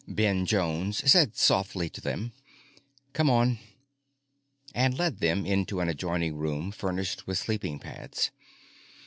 Ben Jones said softly to them, "Come on," and led them into an adjoining room furnished with sleeping pads.